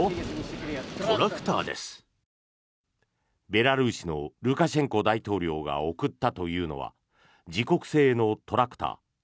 ベラルーシのルカシェンコ大統領が贈ったというのは自国製のトラクター。